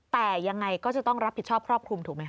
แต่ยังไงก็จะต้องรับผิดชอบครอบคลุมถูกไหมค